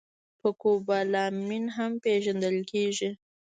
په کوبالامین هم پېژندل کېږي